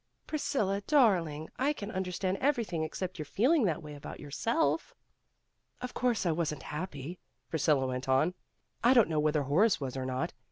'' "Priscilla darling, I can understand every thing except your feeling that way about your self." 4 'Of course I wasn't happy," Priscilla went on. "I don't know whether Horace was or not.